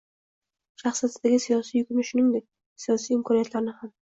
shaxsiyatidagi siyosat yukini shuningdek, siyosiy imkoniyatlarini ham